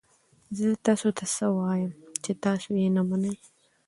زه تاسو ته څه ووایم چې تاسو یې نه منئ؟